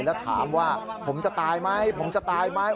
แล้วถามว่าผมจะตายไหมผมจะตายไหม